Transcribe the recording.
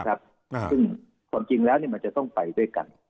ซึ่งความจริงแล้วมันจะต้องไปด้วยกัน